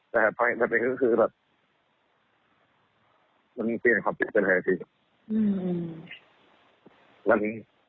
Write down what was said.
แต่แบบนี้ก็คือแบบมันเปลี่ยนความจริงเป็นอะไรสิ